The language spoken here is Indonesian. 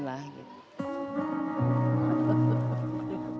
berkeliling di seputaran ciracas